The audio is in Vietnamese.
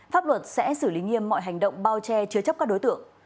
pháp luật sẽ xử lý nghiêm mọi hành động bao che chứa chấp các đối tượng